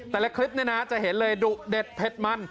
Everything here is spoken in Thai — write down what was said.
แต่ละคลิปนี้นะจะเห็นเลยดุเด็ดเผ็ดมัน